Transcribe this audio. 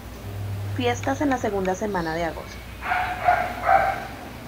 Fiestas en la segunda semana de agosto.